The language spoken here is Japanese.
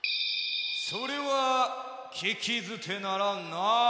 それはききずてならんな。